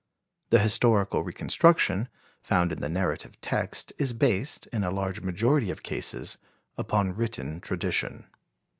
The historical reconstruction, found in the narrative text, is based, in a large majority of cases, upon written tradition.